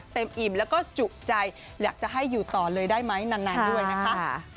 อิ่มแล้วก็จุใจอยากจะให้อยู่ต่อเลยได้ไหมนานด้วยนะคะ